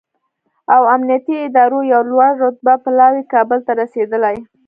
او امنیتي ادارو یو لوړ رتبه پلاوی کابل ته رسېدلی